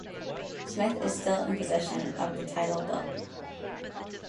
Smith is still in possession of the title belt.